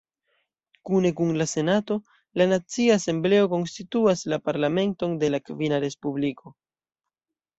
Kune kun la Senato, la Nacia Asembleo konstituas la Parlamenton de la Kvina Respubliko.